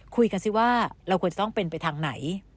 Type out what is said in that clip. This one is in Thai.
ซิว่าเราควรจะต้องเป็นไปทางไหน